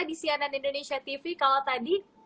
di cnn indonesia tv kalau tadi